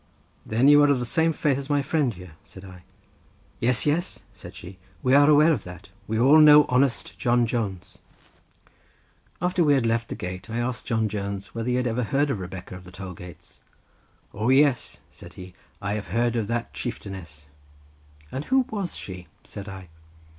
"Then you are of the same faith as my friend here," said I. "Yes, yes," said she, "we are aware of that. We all know honest John Jones." After we had left the gate I asked John Jones whether he had ever heard of Rebecca of the toll gates. "O, yes," said he; "I have heard of that chieftainess." "And who was she?" said I.